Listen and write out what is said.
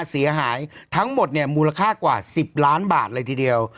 เสียหายทั้งหมดเนี่ยมูลค่ากว่า๑๐ล้านบาทเลยทีเดียว